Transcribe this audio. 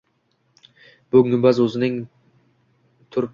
Bu gumbaz o‘zining turtib chiqqan uchi bor